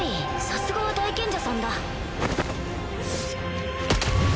さすがは大賢者さんだ